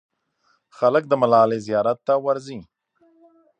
خلک د ملالۍ زیارت ته ورځي.